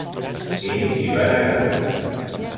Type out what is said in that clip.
Ell s'hi va negar.